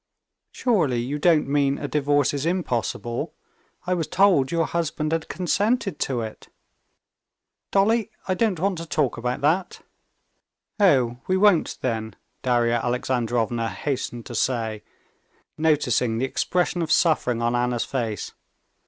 "Surely you don't mean a divorce is impossible? I was told your husband had consented to it." "Dolly, I don't want to talk about that." "Oh, we won't then," Darya Alexandrovna hastened to say, noticing the expression of suffering on Anna's face.